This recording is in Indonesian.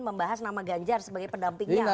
membahas nama ganjar sebagai pendampingnya